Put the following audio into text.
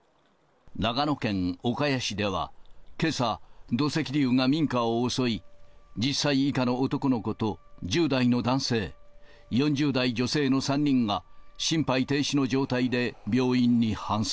長野県岡谷市では、けさ、土石流が民家を襲い、１０歳以下の男の子と１０代の男性、４０代女性の３人が心肺停止の状態で病院に搬送。